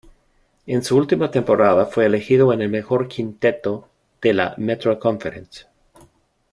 En su última temporada fue elegido en el mejor quinteto de la Metro Conference.